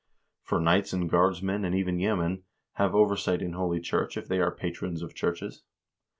For knights and guardsmen, and even yeomen, have oversight in holy church if they are patrons of churches.